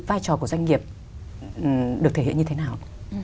vai trò của doanh nghiệp được thể hiện như thế nào